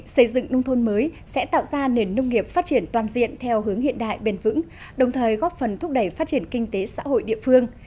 xây dựng nông thôn mới sẽ tạo ra nền nông nghiệp phát triển toàn diện theo hướng hiện đại bền vững đồng thời góp phần thúc đẩy phát triển kinh tế xã hội địa phương